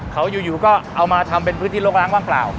เขาอยู่ก็เอามาทำเป็นพื้นที่ลกล้างว่างเปล่า